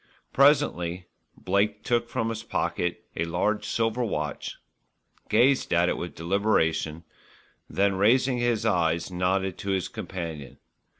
Presently Blake took from his pocket a large silver watch, gazed at it with deliberation, then raising his eyes nodded to his companion.